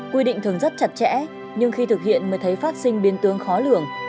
quy định thường rất chặt chẽ nhưng khi thực hiện mới thấy phát sinh biến tướng khó lường